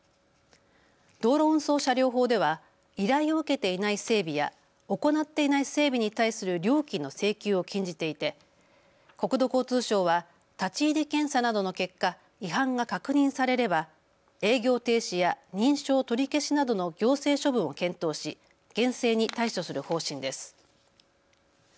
道路運送車両法では依頼を受けていない整備や行っていない整備に対する料金の請求を禁じていて国土交通省は立ち入り検査などの結果、違反が確認されれば営業停止や認証取り消しなどの行政処分を検討し厳正に対処する方針です。